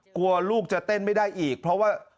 กลัวลูกจะเต้นไม่ได้อีกเพราะว่า